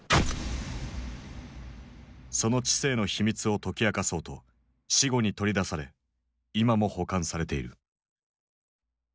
その知性の秘密を解き明かそうと死後に取り出され今も保管されている。